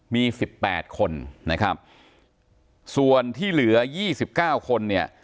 มีสิบแปดคนนะครับส่วนที่เหลือยี่สิบเก้าคนเนี่ย